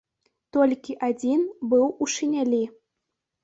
Толькі адзін быў у шынялі.